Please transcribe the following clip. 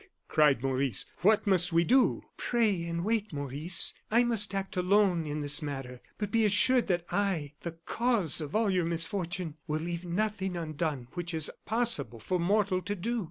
cried Maurice; "what must we do?" "Pray and wait, Maurice. I must act alone in this matter, but be assured that I the cause of all your misfortune will leave nothing undone which is possible for mortal to do."